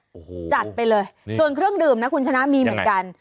โอ้โหจัดไปเลยส่วนเครื่องดื่มนะคุณชนะมีเหมือนกัน